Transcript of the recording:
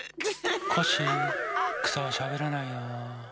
コッシーくさはしゃべらないよ。